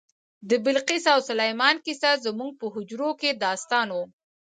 د بلقیس او سلیمان کیسه زموږ په حجرو کې داستان و.